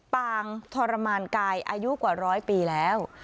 ปางทรมานกายอายุกว่าร้อยปีแล้ว